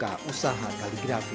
lila sudah berusaha kaligrafi